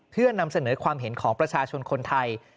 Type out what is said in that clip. เพื่อนำเสนอความเห็นของประชาชนคนไทย